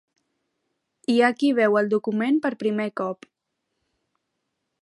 Hi ha qui veu el document per primer cop.